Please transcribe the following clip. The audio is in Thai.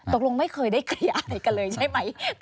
ตกลงไม่เคยได้เคลียร์อะไรกันเลยใช่ไหม